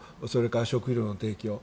それから食料の提供